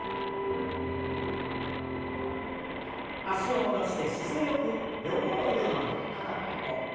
脚を戻して姿勢よく両方の腕を曲げて肩の横。